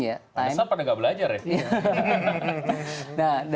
pernah sampai tidak belajar ya